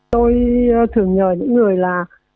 tôi thường nhờ những người là